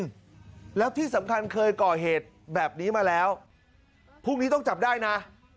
เมืองสุรินทร์แล้วที่สำคัญเคยก่อเหตุแบบนี้มาแล้วพวกนี้ต้องจับได้นะ